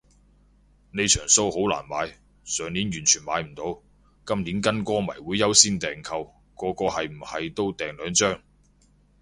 呢場騷好難買，上年完全買唔到，今年跟歌迷會優先訂購，個個係唔係都訂兩張